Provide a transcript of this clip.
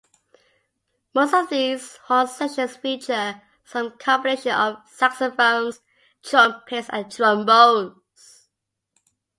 Most of these horn sections feature some combination of saxophones, trumpets and trombones.